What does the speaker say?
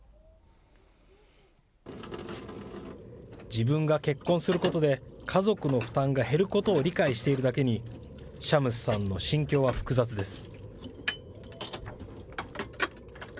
自分が結婚することで家族の負担が減ることを理解しているだけに、シャムスさんの心境は複雑です。